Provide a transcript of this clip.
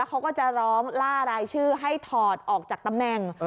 เขาก็จะร้องล่ารายชื่อให้ถอดออกจากตำแหน่ง